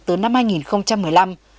tới năm hai nghìn một mươi năm